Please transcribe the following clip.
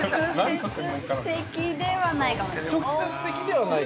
◆直接ではないかもしれない。